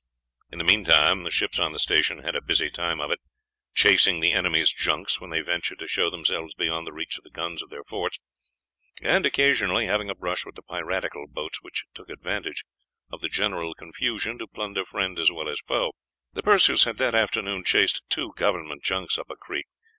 In the meantime the ships on the station had a busy time of it, chasing the enemy's junks when they ventured to show themselves beyond the reach of the guns of their forts, and occasionally having a brush with the piratical boats which took advantage of the general confusion to plunder friend as well as foe. The Perseus had that afternoon chased two government junks up a creek.